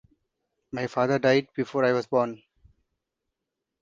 My father died before I was born.